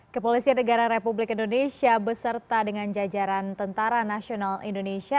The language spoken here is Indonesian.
kepolisian negara republik indonesia beserta dengan jajaran tentara nasional indonesia